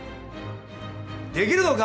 できるのか？